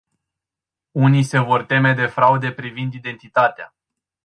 Unii se vor teme de fraude privind identitatea.